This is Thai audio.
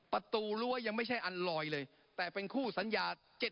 ประตูรั้วยังไม่ใช่อันลอยเลยแต่เป็นคู่สัญญา